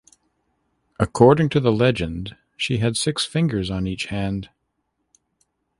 According to the legend she had six fingers on each hand.